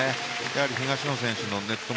やはり東野選手のネット